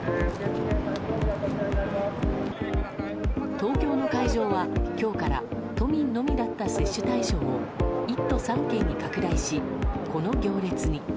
東京の会場は今日から都民のみだった接種対象を１都３県に拡大し、この行列に。